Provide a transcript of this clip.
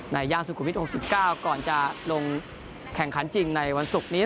ย่านสุขุมวิทย๖๙ก่อนจะลงแข่งขันจริงในวันศุกร์นี้